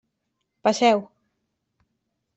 Passeu.